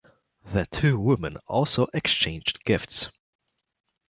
The two women also exchanged gifts.